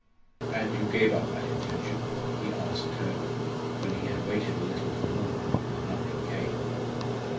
"And you gave up that intention?" he asked her, when he had waited a little for more, and nothing came.